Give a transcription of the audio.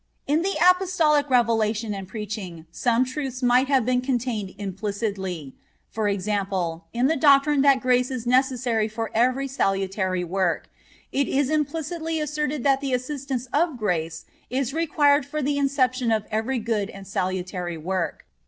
In the Apostolic revelation and preaching some truths might have been contained implicitly, e.g., in the doctrine that grace is necessary for every salutary work, it is implicitly asserted that the assistance of grace is required for the inception of every good and salutary work.